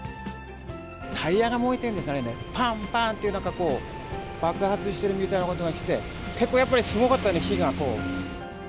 タイヤが燃えてるんですよね、ぱんぱんという、なんかこう、爆発してるみたいな音がして、結構やっぱりすごかったね、火が、こう。